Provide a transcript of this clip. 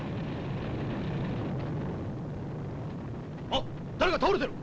あっ誰か倒れてる。